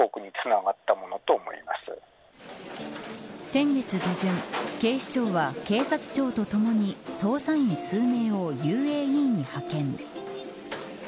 先月下旬警視庁は警察庁とともに捜査員数名をＵＡＥに派遣。